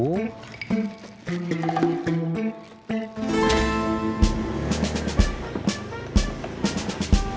bagus ini mah atuh bu